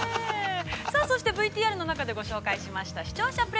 さあ、そしてＶＴＲの中でご紹介しました、視聴者。